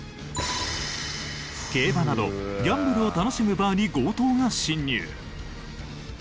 競馬などギャンブルを楽しむバーに強盗が侵入！